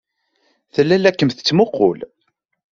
Tella la kem-tettmuqqul.